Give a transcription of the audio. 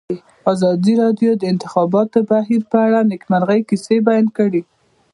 ازادي راډیو د د انتخاباتو بهیر په اړه د نېکمرغۍ کیسې بیان کړې.